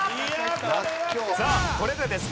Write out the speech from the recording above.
さあこれでですね